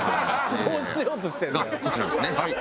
こちらですねはい。